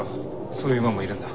そういう馬もいるんだ。